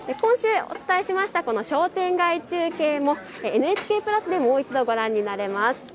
今週、お伝えした商店街中継もＮＨＫプラスでもう一度、ご覧になれます。